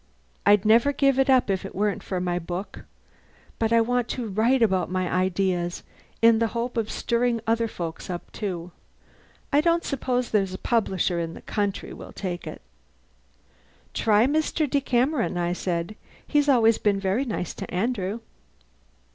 I'd never give it up if it weren't for my book: but I want to write about my ideas in the hope of stirring other folk up, too. I don't suppose there's a publisher in the country will take it!" "Try Mr. Decameron," I said. "He's always been very nice to Andrew."